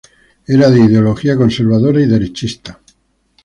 Era de ideología conservadora y derechista.